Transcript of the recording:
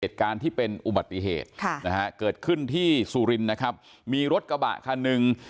เหตุการณ์ที่เป็นอุบัติเหตุค่ะนะฮะเกิดขึ้นที่สุรินนะครับมีรถกระบะคันหนึ่ง